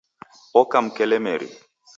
Oka mkelemeri